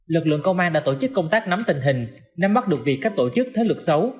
lực lượng công an đã tổ chức công tác nắm tình hình nắm bắt được việc các tổ chức thế lực xấu